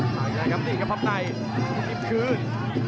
อีกครั้งครับนี่ครับพร้อมในซุปกรีมคืน